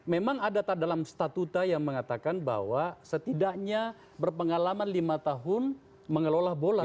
memang ada dalam statuta yang mengatakan bahwa setidaknya berpengalaman lima tahun mengelola bola